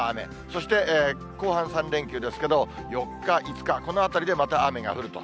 そして後半３連休ですけど、４日、５日、このあたりでまた雨が降ると。